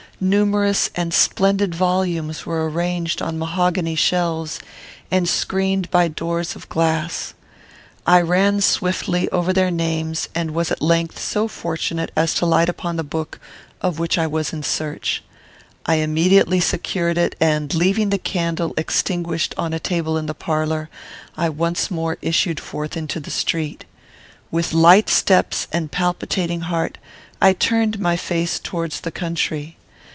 Numerous and splendid volumes were arranged on mahogany shelves, and screened by doors of glass. I ran swiftly over their names, and was at length so fortunate as to light upon the book of which I was in search. I immediately secured it, and, leaving the candle extinguished on a table in the parlour, I once more issued forth into the street. With light steps and palpitating heart I turned my face towards the country.